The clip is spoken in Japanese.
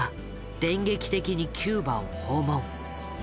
電撃的にキューバを訪問。